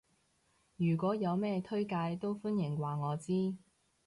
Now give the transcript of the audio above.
如果有咩推介都歡迎話我知